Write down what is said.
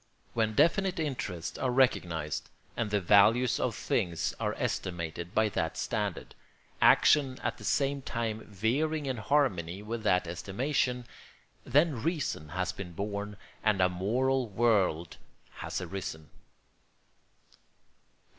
When definite interests are recognised and the values of things are estimated by that standard, action at the same time veering in harmony with that estimation, then reason has been born and a moral world has arisen.